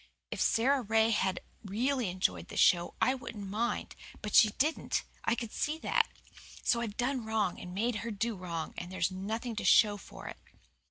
If Sara Ray had really enjoyed the show I wouldn't mind. But she didn't. I could see that. So I've done wrong and made her do wrong and there's nothing to show for it."